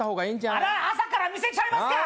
あら、朝から見せちゃいますか！